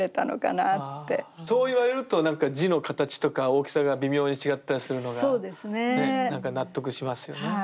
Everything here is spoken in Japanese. そう言われるとなんか字の形とか大きさが微妙に違ったりするのがねなんか納得しますよね。